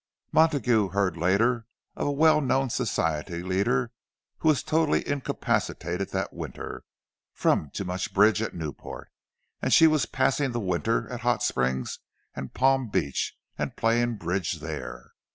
Montague heard later of a well known Society leader who was totally incapacitated that winter, from too much bridge at Newport; and she was passing the winter at Hot Springs and Palm Beach—and playing bridge there.